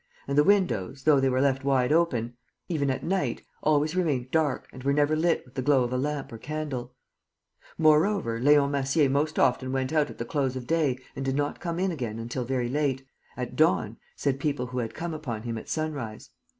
And the windows, though they were left wide open, even at night, always remained dark and were never lit with the glow of a lamp or candle. Moreover, Leon Massier most often went out at the close of day and did not come in again until very late ... at dawn, said people who had come upon him at sunrise.